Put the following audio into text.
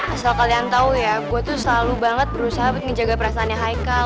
asal kalian tau ya gue tuh selalu banget berusaha buat ngejaga perasaannya haikal